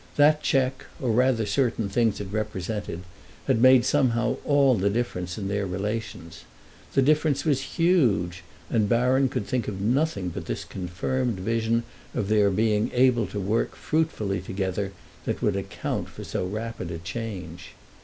That cheque, or rather certain things it represented, had made somehow all the difference in their relations. The difference was huge, and Baron could think of nothing but this confirmed vision of their being able to work fruitfully together that would account for so rapid a change.